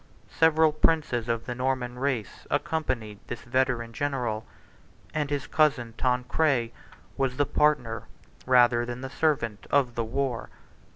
Several princes of the Norman race accompanied this veteran general; and his cousin Tancred 53 was the partner, rather than the servant, of the war.